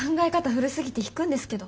古すぎて引くんですけど。